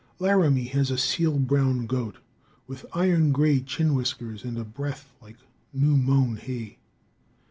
Laramie has a seal brown goat, with iron gray chin whiskers and a breath like new mown hay.